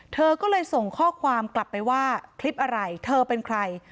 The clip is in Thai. เธอก็เลยส่งข้อความกลับไปว่าคลิปอะไรเธอเป็นใคร